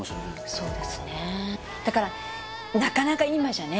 そうですねだからなかなか今じゃね